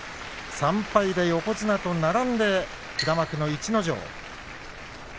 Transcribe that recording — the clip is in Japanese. ３敗で横綱と並んで平幕の逸ノ城